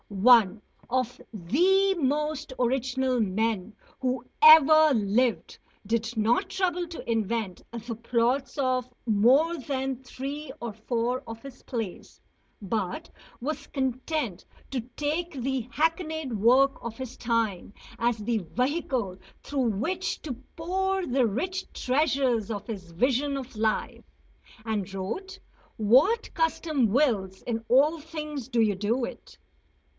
One of the most original men who ever lived did not trouble to invent the plots of more than three or four of his plays, but was content to take the hackneyed work of his time as the vehicle through which to pour the rich treasures of his vision of life. And wrote: "What custom wills in all things do you do it."